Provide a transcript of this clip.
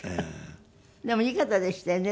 でもいい方でしたよね